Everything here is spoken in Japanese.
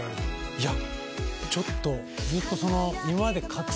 いやちょっとずっとその。